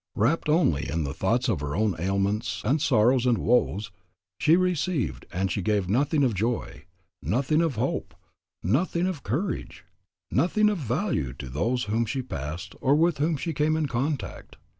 Wrapped only in the thoughts of her own ailments, and sorrows, and woes, she received and she gave nothing of joy, nothing of hope, nothing of courage, nothing of value to those whom she passed or with whom she came in contact.